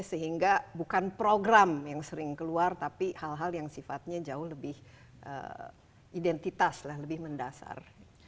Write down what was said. sehingga bukan program yang sering keluar tapi hal hal yang sifatnya jauh lebih identitas lah lebih mendasar